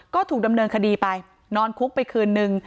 ก็ถูกดำเนินคดีไปนอนคุกไปคืนนึง